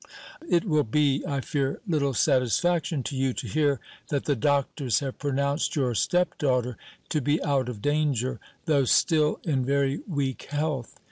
It will be, I fear, little satisfaction to you to hear that the doctors have pronounced your stepdaughter to be out of danger, though still in very weak health.